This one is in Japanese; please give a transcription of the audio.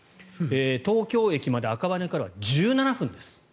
東京駅まで赤羽からは１７分です